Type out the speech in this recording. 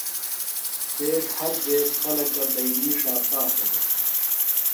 سید ہر دیس خلکہ بئینی ݜا پاشہ دےۡ۔